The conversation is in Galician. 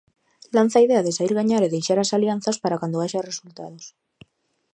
Lanza a idea de saír gañar e deixar as alianzas para cando haxa resultados.